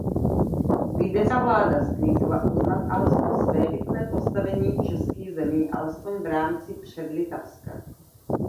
Vídeňská vláda slíbila uznat alespoň svébytné postavení českých zemí alespoň v rámci Předlitavska.